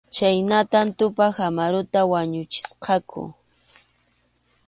Chhaynatam Tupa Amaruta wañuchisqaku.